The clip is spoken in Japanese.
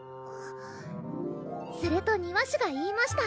「すると庭師が言いました」